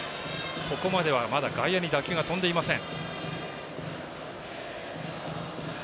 ここまでは、まだ外野に打球が飛んでいません。